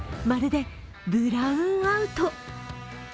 まるでブラウンアウト。